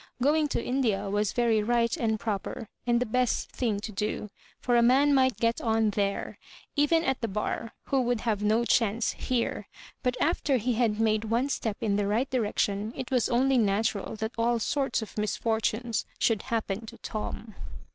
Going to India was very right and proper, and the best thing to d<5 ; for a man might get on there, even at the bar, who would have no chance here ; but after he had made one step in the right direction, it was only natural that all sorts of misfortunes should happen to Tom.